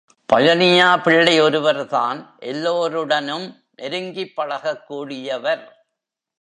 பழனியா பிள்ளை ஒருவர் தான் எல்லோருடனும் நெருங்கிப் பழகக் கூடியவர்.